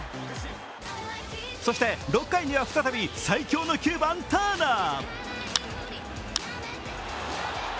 そして、６回には再び最強の９番・ターナー。